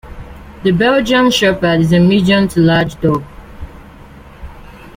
The Belgian Shepherd is a medium-to-large dog.